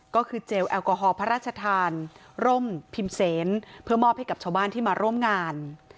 ก็คือเจลแอลกอฮอลพระราชทานร่มพิมเซนเพื่อมอบให้กับชาวบ้านที่มาร่วมงาน